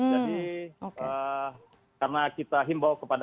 jadi karena kita himbau kepada